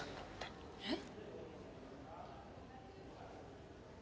えっ？